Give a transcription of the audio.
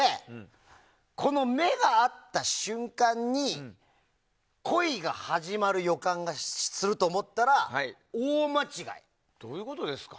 この目が合った瞬間に恋が始まる予感がすると思ったらどういうことですか？